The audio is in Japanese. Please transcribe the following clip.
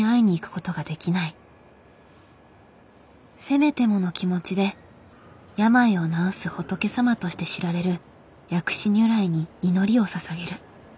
せめてもの気持ちで病を治す仏様として知られる薬師如来に祈りをささげる。